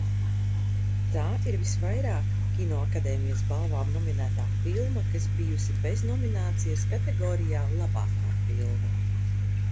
"Tā ir visvairāk Kinoakadēmijas balvām nominētā filma, kas bijusi bez nominācijas kategorijā "Labākā filma"."